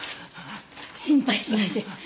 心配しないでさあ！